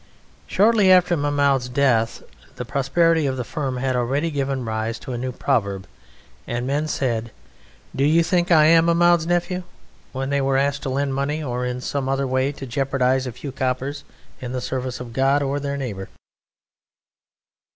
Shortly after Mahmoud's death the prosperity of the firm had already given rise to a new proverb, and men said: "Do you think I am Mahmoud's Nephew?" when they were asked to lend money or in some other way to jeopardize a few coppers in the service of God or their neighbour.